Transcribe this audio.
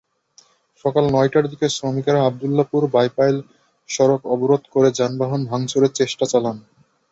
সকাল নয়টার দিকে শ্রমিকেরা আবদুল্লাহপুর-বাইপাইল সড়ক অবরোধ করে যানবাহন ভাঙচুরের চেষ্টা চালান।